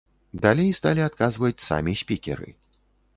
Далей сталі адказваць самі спікеры.